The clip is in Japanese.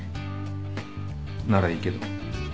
ならいいけど。